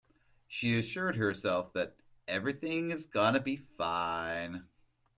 She assured herself that everything is gonna be fine.